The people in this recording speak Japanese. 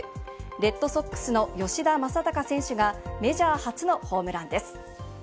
レッドソックスの吉田正尚選手がメジャー初のホームランです。